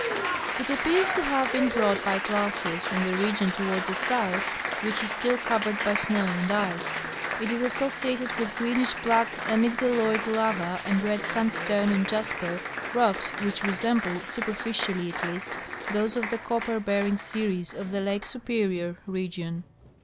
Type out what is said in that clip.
It appears to have been brought by glaciers from the region toward the south which is still covered by snow and ice. It is associated with greenish black amygdaloid lava and red sandstone and jasper, rocks which resemble, superficially at least, those of the copper bearing series of the lake Superior region.